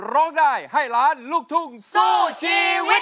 ร้องได้ให้ล้านลูกทุ่งสู้ชีวิต